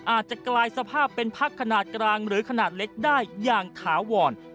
อาจจะกลายสภาพเป็นพักขนาดกลางหรือขนาดเล็กได้อย่างถาวร